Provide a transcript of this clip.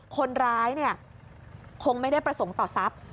คนร้ายคงไม่ได้ประสงค์ต่อทรัพย์